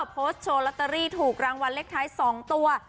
โพสต์โชว์ลอตเตอรี่ถูกรางวัลเลขท้าย๒ตัว